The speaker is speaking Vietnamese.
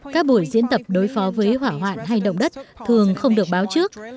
các buổi diễn tập đối phó với hỏa hoạn hay động đất thường không được báo trước